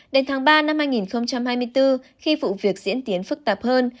đến tháng ba năm hai nghìn hai mươi bốn khi vụ việc diễn tiến phức tạp hơn